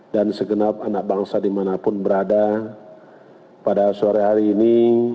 dan segenap anak bangsa dimanapun berada pada sore hari ini